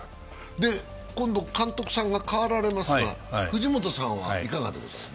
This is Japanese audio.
今度、監督さんが代わられますが藤本さんはいかがですか。